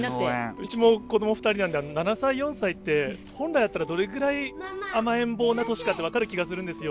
うちも子供２人なので７歳、４歳って本来だったらどれぐらい甘えん坊な年かって分かる気がするんですよ。